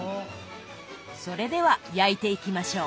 それでは焼いていきましょう。